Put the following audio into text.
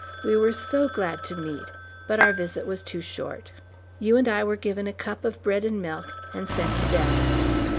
We were so glad to meet, but our visit was too short. You and I were given a cup of bread and milk and sent to bed.